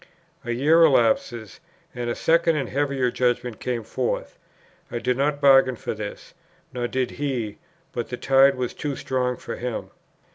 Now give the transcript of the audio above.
A year elapses, and a second and heavier judgment came forth. I did not bargain for this, nor did he, but the tide was too strong for him.